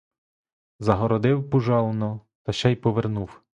Загородив пужално та ще й повернув!